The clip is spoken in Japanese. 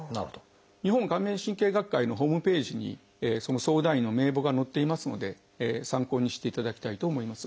日本顔面神経学会のホームページにその相談医の名簿が載っていますので参考にしていただきたいと思います。